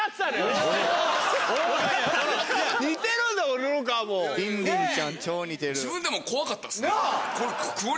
自分でも怖かったっすこれ。